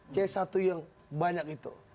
c satu yang banyak itu